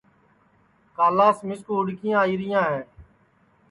کالاس مِسکُو ہُوڈؔکیاں آئیریاں ہے